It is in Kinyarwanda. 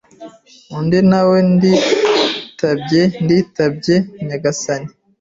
undi nawe nditabye nditabye nyagasani